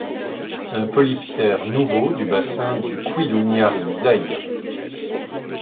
Un Polyptère nouveau du bassin du Kouilou-Niari, Zaïre.